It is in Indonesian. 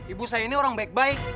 ibu saya ini orang baik baik